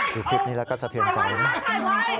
ดูคลิปนี้แล้วก็สะเทือนใจนะ